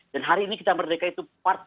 dan hari ini kita merdeka itu part